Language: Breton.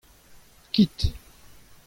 kit.